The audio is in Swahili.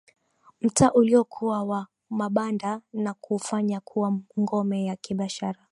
Mtaa uliokuwa wa mabanda na kuufanya kuwa ngome ya kibiashara